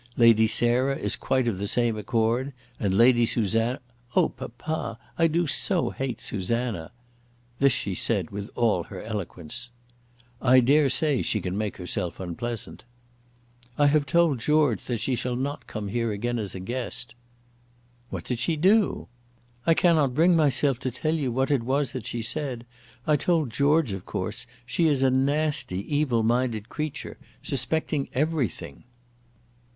Lady Sarah is quite of the same accord, and Lady Susanna " "Oh, papa, I do so hate Susanna." This she said with all her eloquence. "I daresay she can make herself unpleasant." "I have told George that she shall not come here again as a guest." "What did she do?" "I cannot bring myself to tell you what it was that she said. I told George, of course. She is a nasty evil minded creature suspecting everything."